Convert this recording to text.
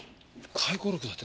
回顧録だって。